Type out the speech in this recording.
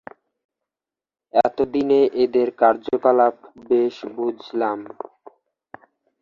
এতদিনে এদের কার্যকলাপ বেশ বুঝলাম।